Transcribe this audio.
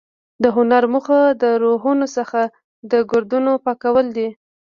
د هنر موخه د روحونو څخه د ګردونو پاکول دي.